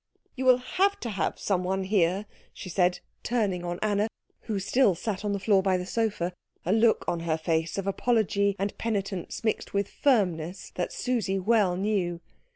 "You will have to have some one here," she said, turning on Anna, who still sat on the floor by the sofa, a look on her face of apology and penitence mixed with firmness that Susie well knew.